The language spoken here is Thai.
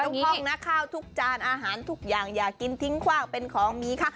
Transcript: ห้องนะข้าวทุกจานอาหารทุกอย่างอย่ากินทิ้งคว่างเป็นของมีคะ